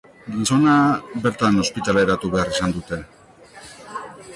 Gizona bertan ospitaleratu behar izan dute.